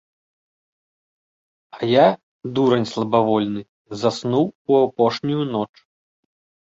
А я, дурань слабавольны, заснуў у апошнюю ноч.